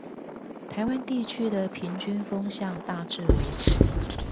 台灣地區的平均風向大致為何？